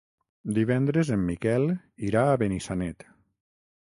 Divendres en Miquel irà a Benissanet.